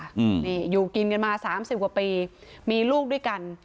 อืมนี่อยู่กินกันมาสามสิบกว่าปีมีลูกด้วยกัน